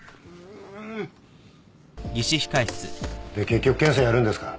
結局検査やるんですか？